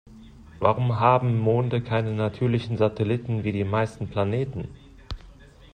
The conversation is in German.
Warum haben Monde keine natürlichen Satelliten wie die meisten Planeten?